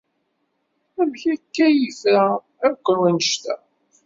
Amek akka ay yefra akk wanect-a?